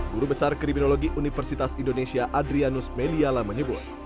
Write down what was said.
guru besar kriminologi universitas indonesia adrianus meliala menyebut